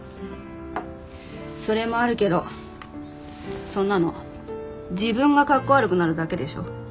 それもあるけどそんなの自分がカッコ悪くなるだけでしょ。